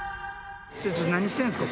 ちょっ何してるんですか？